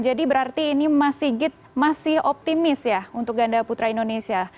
jadi berarti ini masih optimis ya untuk ganda putra indonesia